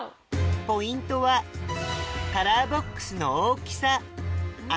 ポイントはカラーボックスの大きさあ